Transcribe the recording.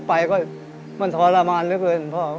พอไปก็มันทรมานเลย